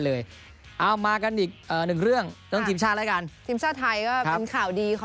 เท่านั้นอีก